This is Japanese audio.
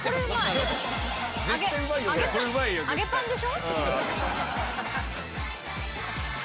揚げパンでしょ？